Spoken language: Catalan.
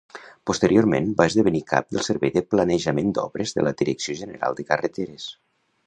Posteriorment va esdevenir cap del servei de planejament d'obres de la Direcció General de Carreteres.